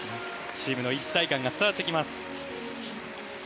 チームの一体感が伝わってきます。